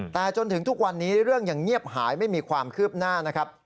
แต่จนถึงทุกวันนี้เรื่องยังเงียบหายไม่มีความคืบหน้านะครับ